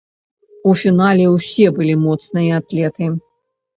У фінале ўсе былі моцныя атлеты.